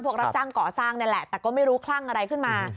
รับจ้างก่อสร้างนี่แหละแต่ก็ไม่รู้คลั่งอะไรขึ้นมา